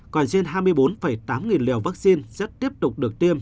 còn trên hai mươi bốn tám nghìn liều vaccine sẽ tiếp tục được tiêm